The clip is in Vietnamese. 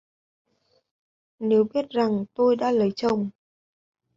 Nếu biết rằng tôi đã lấy chồng